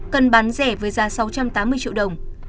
cần bán rẻ với giá sáu trăm tám mươi triệu đồng